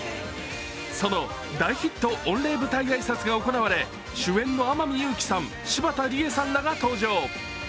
その大ヒット御礼舞台挨拶が行われ、主演の天海祐希さん、柴田理恵さんらが登場。